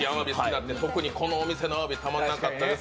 特にこのお店のあわびたまらなかったです。